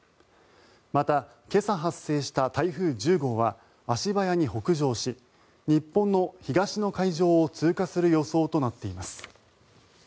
また、今朝発生した台風１０号は足早に北上し日本の東の海上を通過する予想となっています。